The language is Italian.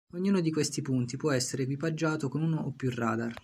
Ognuno di questi punti può essere equipaggiato con uno o più radar.